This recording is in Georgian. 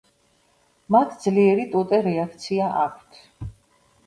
მათ ძლიერი ტუტე რეაქცია აქვთ.